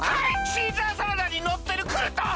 シーザーサラダにのってるクルトン！